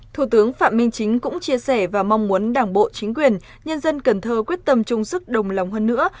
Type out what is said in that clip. thủ tướng phạm minh chính cũng chia sẻ và mong muốn đảng bộ chính quyền nhân dân cần thơ quyết tâm chung sức đồng lòng hơn nữa